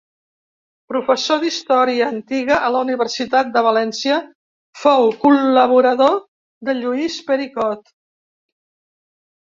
Professor d'Història Antiga a la Universitat de València, fou col·laborador de Lluís Pericot.